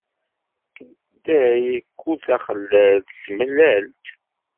Day, kul taxellalt, s tmellat?